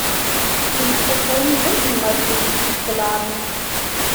Und Protonen sind nun mal positiv geladen.